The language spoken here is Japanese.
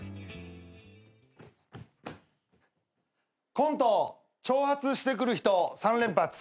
コント挑発してくる人３連発。